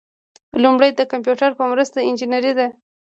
لومړی د کمپیوټر په مرسته انجنیری ده.